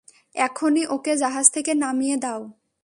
এক্ষুনি ওকে জাহাজ থেকে নামিয়ে দাও!